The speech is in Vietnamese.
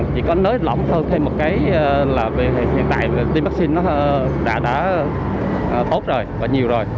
chỉ có nới lỏng hơn thêm một cái là hiện tại tiêm vaccine nó đã tốt rồi và nhiều rồi